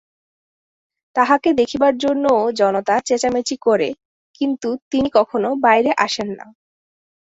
তাহাকে দেখিবার জন্যও জনতা চেচামেচি করে কিন্তু তিনি কখনো বাহিরে আসেন না।